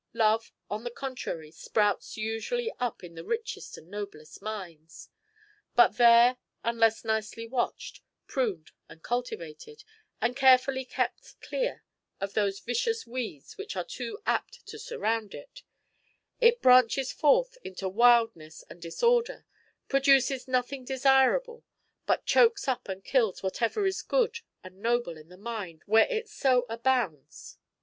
Love, on the contrary, sprouts usually up in the richest and noblest minds; but there, unless nicely watched, pruned, and cultivated, and carefully kept clear of those vicious weeds which are too apt to surround it, it branches forth into wildness and disorder, produces nothing desirable, but choaks up and kills whatever is good and noble in the mind where it so abounds.